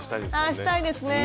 あしたいですね。